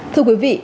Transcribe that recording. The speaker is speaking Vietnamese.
thưa quý vị